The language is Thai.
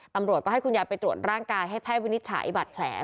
ตำรวจก็ให้คุณยายไปตรวจร่างกายให้แพทย์วินิจฉัยบัตรแผล